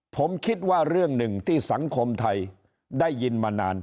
ผมคิดว่าเรื่องหนึ่งที่สังคมไทยได้ยินมานาน